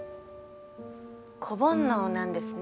子煩悩なんですね。